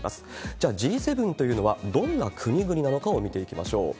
じゃあ、Ｇ７というのはどんな国々なのかを見ていきましょう。